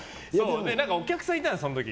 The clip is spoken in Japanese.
お客さんいたの、その時。